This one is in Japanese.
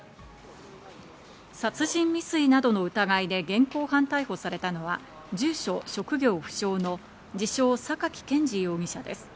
殺人未遂などの疑いで現行犯逮捕されたのは住所・職業不詳の自称サカキ・ケンジ容疑者です。